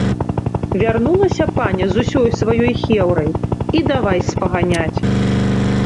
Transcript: Вярнулася паня з усёй сваёй хеўрай і давай спаганяць.